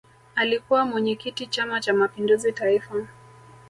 alikuwa mwenyekiti chama cha mapinduzi taifa